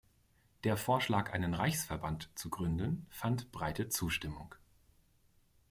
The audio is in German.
Der Vorschlag, einen Reichsverband zu gründen, fand breite Zustimmung.